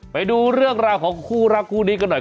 ไปดูเรื่องราวของคู่รักคู่นี้กันหน่อย